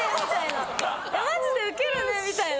マジでウケるねみたいな。